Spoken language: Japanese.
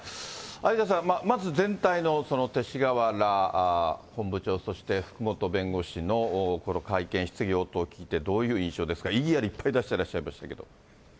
有田さん、まず全体の勅使河原本部長、そして福本弁護士のこの会見、質疑応答聞いてどういう印象ですか、異議あり、いっぱい出していらっしゃいましたけれども。